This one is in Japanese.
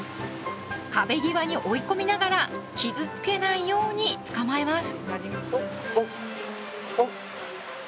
壁際に追い込みながら傷つけないように捕まえます。